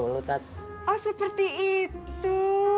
oh seperti itu